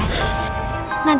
aku akan menang